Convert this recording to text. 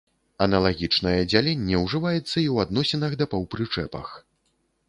Аналагічнае дзяленне ўжываецца і ў адносінах да паўпрычэпах.